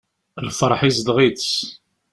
Lferḥ izdeɣ-itt.